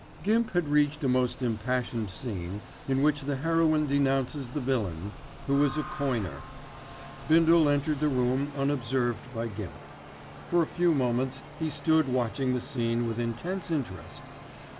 Gimp had reached a most impassioned scene in which the heroine denounces the villain, who is a coiner. Bindle entered the room unobserved by Gimp. For a few moments he stood watching the scene with intense interest.